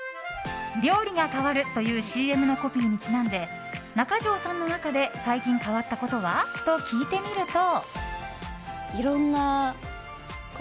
料理が変わるというＣＭのコピーにちなんで中条さんの中で最近変わったことは？と聞いてみると。